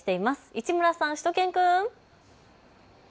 市村さん、しゅと犬くん。